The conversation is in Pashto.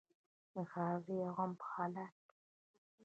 د ښادۍ او غم په حالاتو کې.